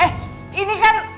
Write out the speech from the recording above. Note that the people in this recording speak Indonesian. eh ini kan